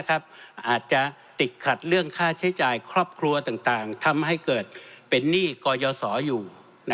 อาจจะติดขัดเรื่องค่าใช้จ่ายครอบครัวต่างทำให้เกิดเป็นหนี้กยศอยู่